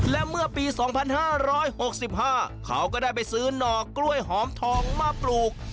และเมื่อปี๒๕๖๕เขาก็ได้ไปซื้อหน่อกล้วยหอมทองมาปลูก